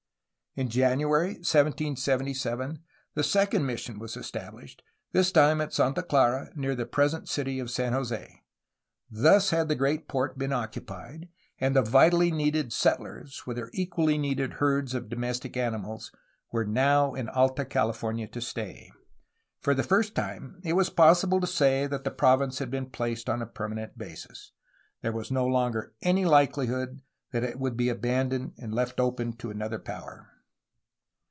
In January 1777 the second mission was estabhshed, this time at Santa Clara, near the present city of San Jose. Thus had the great port been occupied, and the vitally needed settlers, with their equally needed herds of domestic animals, were now in Alta California to stay. For the first time it was possible to say that the province had been placed upon a permanent basis. There was no longer any likeUhood that it would be abandoned and left open for another power.